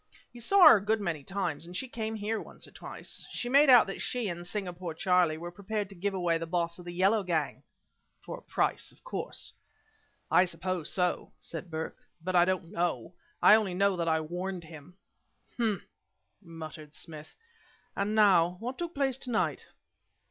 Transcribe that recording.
"He saw her a good many times and she came here once or twice. She made out that she and Singapore Charlie were prepared to give away the boss of the Yellow gang " "For a price, of course?" "I suppose so," said Burke; "but I don't know. I only know that I warned him." "H'm!" muttered Smith. "And now, what took place to night?"